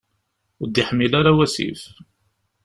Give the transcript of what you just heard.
Ur d-yeḥmil ara wasif.